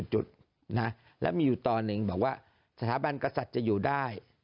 จุดนะแล้วมีอยู่ตอนหนึ่งบอกว่าสถาบันกษัตริย์จะอยู่ได้